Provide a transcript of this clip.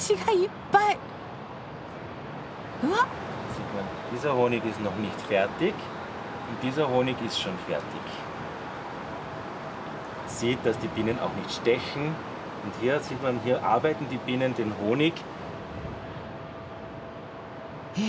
うわっ！へ